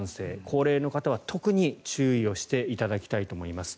高齢の方は特に注意をしていただきたいと思います。